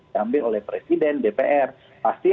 diambil oleh presiden dpr pasti